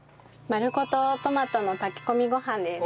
丸ごとトマトの炊き込みご飯です。